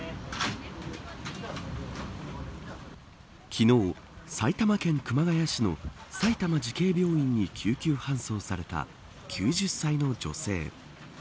昨日、埼玉県熊谷市の埼玉慈恵病院に救急搬送された９０歳の女性。